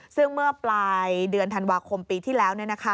ซึ่งเมื่อปลายเดือนธันวาคมปีที่แล้ว